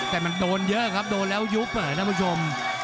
แต่มันโดนเยอะครับโดนแล้วยุบท่านผู้ชม